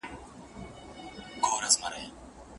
ميرمن حق لري چي له خاوند څخه جماع وغواړي.